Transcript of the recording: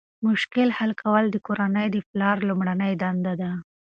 مشکل حل کول د کورنۍ د پلار لومړنۍ دنده ده.